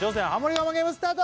我慢ゲームスタート！